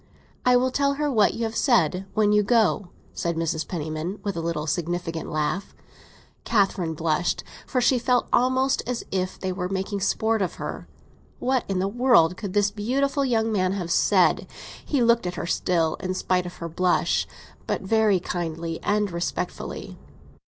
"I will tell her what you have said—when you go!" said Mrs. Penniman, with an insinuating laugh. Catherine blushed, for she felt almost as if they were making sport of her. What in the world could this beautiful young man have said? He looked at her still, in spite of her blush; but very kindly and respectfully.